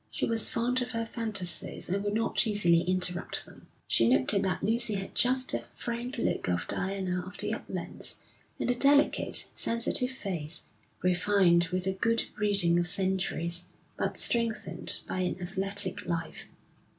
She was fond of her fantasies and would not easily interrupt them. She noted that Lucy had just that frank look of Diana of the Uplands, and the delicate, sensitive face, refined with the good breeding of centuries, but strengthened by an athletic life.